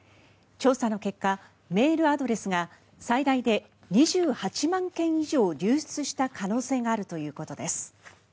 調査の結果、メールアドレスが最大で２８万件以上流出した可能性があるということです。